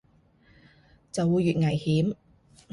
就會越危險